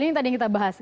ini tadi yang kita bahas